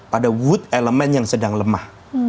pada wood elemen yang sedang lemah